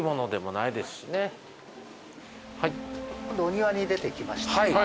今度お庭に出てきました。